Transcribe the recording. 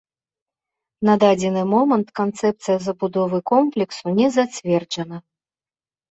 На дадзены момант канцэпцыя забудовы комплексу не зацверджана.